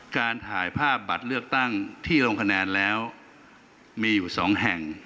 การถ่ายภาพบัตรเลือกตั้งที่ลงคะแนนแล้วมีอยู่สองแห่ง